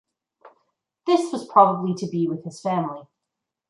This was probably to be with his family.